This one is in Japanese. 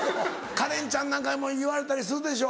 カレンちゃんなんかも言われたりするでしょ？